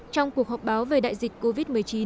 trong cuộc họp báo về đại dịch covid một mươi chín